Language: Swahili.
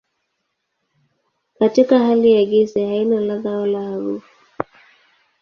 Katika hali ya gesi haina ladha wala harufu.